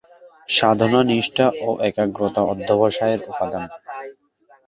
সাধনা, নিষ্ঠা ও একাগ্রতা অধ্যবসায়ের উপাদান।